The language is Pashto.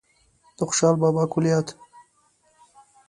د خوشال بابا کلیات